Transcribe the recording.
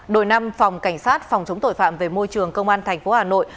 đội năm phòng cảnh sát phòng chống tội phạm về môi trường công an tp hà nội